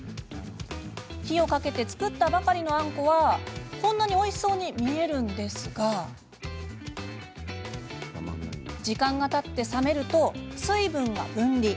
火をかけて作ったばかりのあんこはこんなにおいしそうに見えるんですが時間がたって冷めると水分が分離。